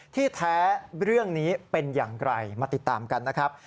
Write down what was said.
ที่แท้เรื่องนี้เป็นอย่างไรมาติดตามกันนะครับ